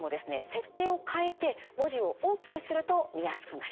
設定を変えて文字を大きくすると見やすくなります。